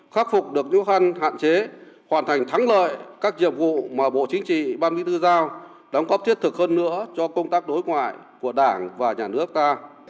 khắc phục được những khăn hạn chế hoàn thành thắng lợi các nhiệm vụ mà bộ chính trị ban bí thư giao đóng góp thiết thực hơn nữa cho công tác đối ngoại của đảng và nhà nước ta